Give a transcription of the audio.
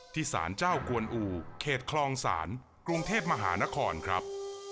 ที่สารเจ้ากวนอู๋เคศครองสารกรุงเทพฯมหานครครับ